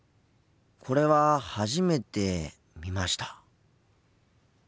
これは初めて見ました。